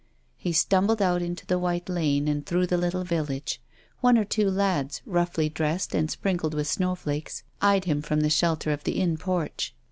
He stumbled out into the white lane and through the little village. One or two lads, roughly dressed and sprinkled with snowflakcs, eyed him from the shelter of the inn porch.